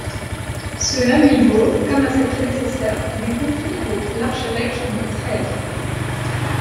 Cela lui vaut, comme à ses prédécesseurs, des conflits avec l'archevêque de Trêves.